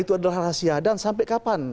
itu adalah rahasia dan sampai kapan